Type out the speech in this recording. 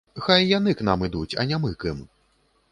Хай яны к нам ідуць, а не мы к ім!